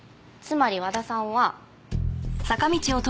つまり和田さんは。